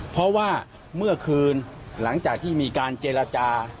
เพราะว่าเมื่อคืนหลังจากที่มีการเจรจา